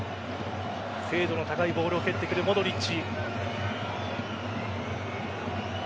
精度の高いボールを蹴ってくるモドリッチ。